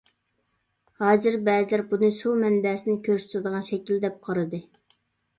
ھازىر بەزىلەر بۇنى سۇ مەنبەسىنى كۆرسىتىدىغان شەكىل دەپ قارىدى.